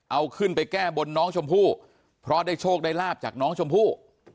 เอาขึ้นไปแก้บนน้องชมพู่เพราะได้โชคได้ลาบจากน้องชมพู่